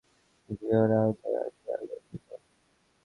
টঙ্গী থেকে তেজগাঁও পর্যন্ত সড়কও সিসি ক্যামেরার আওতায় আসবে আগামী জুনের মধ্যে।